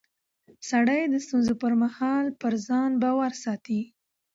سړی د ستونزو پر مهال پر ځان باور ساتي